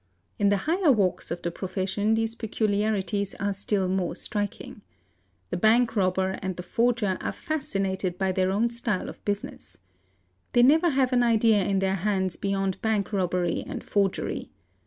In the higher walks of the pre fession these peculiarities are still more striking. The bank robber and _ the forger are fascinated by their own style of business. They nevet have an idea in their heads beyond bank robbery and forgery.